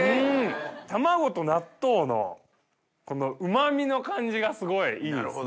卵と納豆のこのうま味の感じがすごいいいですね。